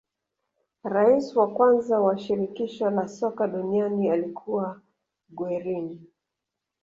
Rais wa kwanza wa shirikisho la soka duniani alikuwa guerin